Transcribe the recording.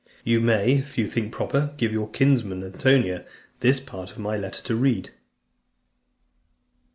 You may, if you think proper, give your kinsman Antonia this part of my letter to read."